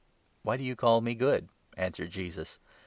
" Why do you call me good? " answered Jesus.